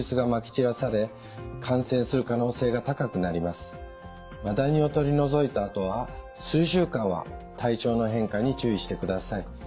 またマダニを取り除いたあとは数週間は体調の変化に注意してください。